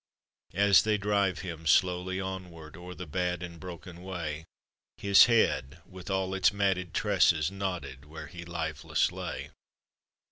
As they drive him slowly onward, O'er the bad and broken way, His head, with all its matted tresses, Nodded where he lifeless lay.